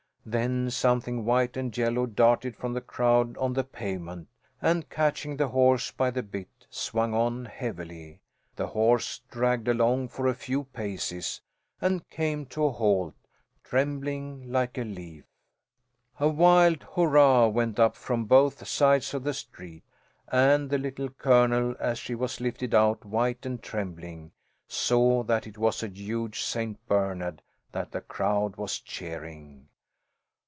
Then something white and yellow darted from the crowd on the pavement, and catching the horse by the bit, swung on heavily. The horse dragged along for a few paces, and came to a halt, trembling like a leaf. A wild hurrah went up from both sides of the street, and the Little Colonel, as she was lifted out white and trembling, saw that it was a huge St. Bernard that the crowd was cheering.